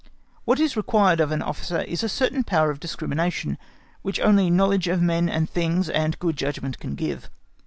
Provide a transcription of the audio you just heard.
What is required of an officer is a certain power of discrimination, which only knowledge of men and things and good judgment can give.